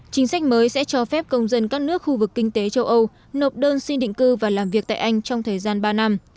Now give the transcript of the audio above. chính sách mới sẽ cho phép công dân các nước khu vực kinh tế châu âu nộp đơn xin định cư và làm việc tại anh trong thời gian ba năm